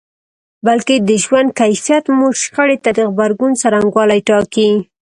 بلکې د ژوند کيفیت مو شخړې ته د غبرګون څرنګوالی ټاکي.